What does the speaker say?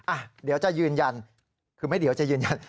อ่ะเดี๋ยวจะยืนยันคือไม่เดี๋ยวจะยืนยัน